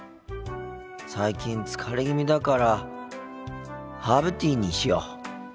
最近疲れ気味だからハーブティーにしよう。